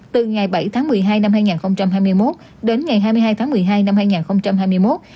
từ ngày bảy tháng một mươi hai năm hai nghìn hai mươi một đến ngày hai mươi hai tháng một mươi hai năm hai nghìn hai mươi một